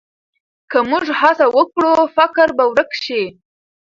که موږ هڅه وکړو، فقر به ورک شي.